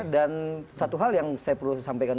dan satu hal yang saya perlu sampaikan